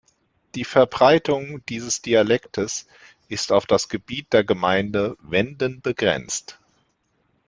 Die Verbreitung dieses Dialektes ist auf das Gebiet der Gemeinde Wenden begrenzt.